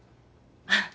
あっ。